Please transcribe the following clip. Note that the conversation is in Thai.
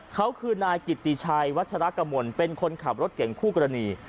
เขาคือนายกิติชัยวัชรกมลเป็นคนขับรถเก่งคู่กรณี